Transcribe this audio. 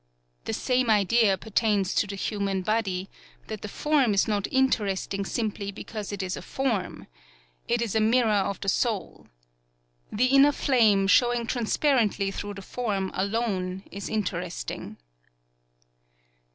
" "The same idea pertains to the human body, that the form is not interesting simply because it is a form. It is a mirror of the soul. The inner flame, showing transparently through the form, alone is interesting."